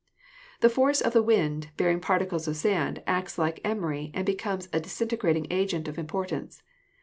The force of the wind bearing particles of sand acts like emery and becomes a disintegrating agent of importance.